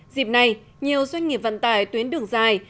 dịp này nhiều doanh nghiệp vận tải tuyến đường dài